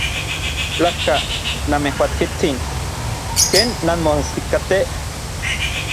Tlajka, namejuatsitsin. ¿Ken nanmoestikatej?